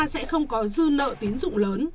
sẽ không có dư nợ tín dụng lớn